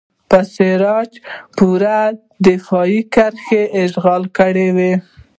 په سراج پور کې دفاعي کرښې اشغال کړئ.